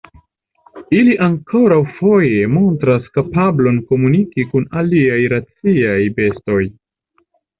Ili ankaŭ foje montras kapablon komuniki kun aliaj raciaj bestoj.